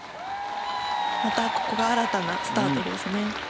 ここが新たなスタートですね。